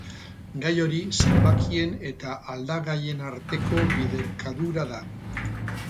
Gai hori zenbakien eta aldagaien arteko biderkadura da.